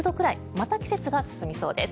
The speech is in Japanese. また季節が進みそうです。